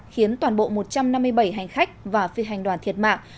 khiến toàn bộ một trăm năm mươi bảy hành khách và phi hành đoàn thiệt mạng